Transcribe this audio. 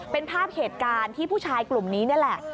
เป็นภาพเหตุการณ์ที่ผู้ชายกลุ่มนี้นี่แหละ